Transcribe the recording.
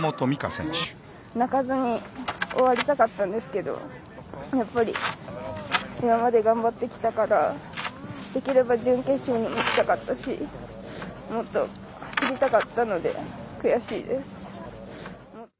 泣かずに終わりたかったんですけど今まで頑張ってきたからできれば準決勝にいきたかったしもっと走りたかったので悔しいです。